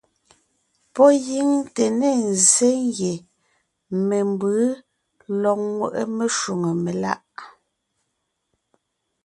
Pɔ́ gíŋ te ne ńzsé ngie membʉ̌ lɔg ńŋweʼe meshwóŋè meláʼ.